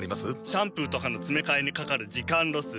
シャンプーとかのつめかえにかかる時間ロス。